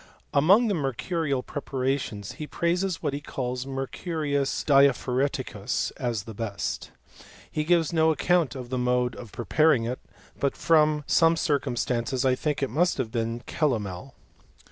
Among the mercurial preparations, he praises what he calls me, rcurius diaphoreticus as the best. He gives no account of the mode of preparing it; but from some circumstances . I think it must have been calomel